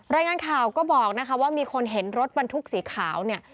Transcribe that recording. รายงานข่าวก็บอกนะคะว่ามีคนเห็นรถบรรทุกสีขาวเนี่ย